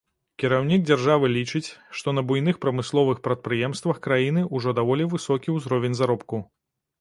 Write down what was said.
Кіраўнік дзяржавы лічыць, што на буйных прамысловых прадпрыемствах краіны ўжо даволі высокі ўзровень заробку.